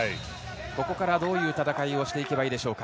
ここからどういう戦いをしていけばいいですか？